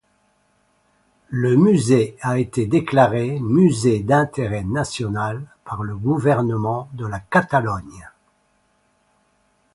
Le musée a été déclaré musée d'intérêt national par le gouvernement de la Catalogne.